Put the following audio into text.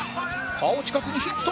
顔近くにヒット！